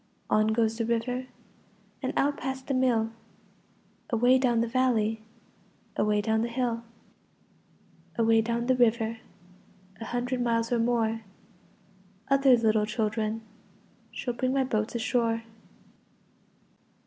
On goes the river And out past the mill, Away down the valley, Away down the hill. Away down the river, A hundred miles or more, Other little children Shall bring my boats ashore.